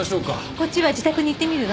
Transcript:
こっちは自宅に行ってみるわ。